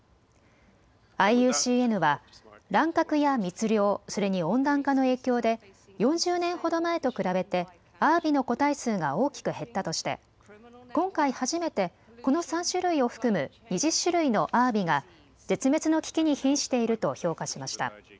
ＩＵＣＮは乱獲や密漁、それに温暖化の影響で４０年ほど前と比べてアワビの個体数が大きく減ったとして今回初めてこの３種類を含む２０種類のアワビが絶滅の危機にひんしていると評価しました。